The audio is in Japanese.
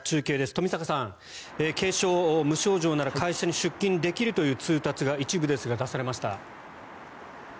冨坂さん、軽症・無症状なら会社に出勤できるという通達が一部ですが出されました。